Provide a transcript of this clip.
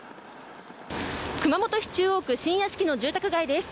熊本市中央区新屋敷の住宅街です。